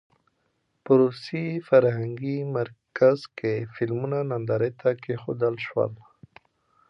په روسي فرهنګي مرکز کې فلمونه نندارې ته کېښودل شول.